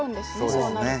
そうなると。